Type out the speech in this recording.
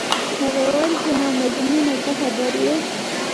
هغې وویل: زما مجنونه، ته خبر یې؟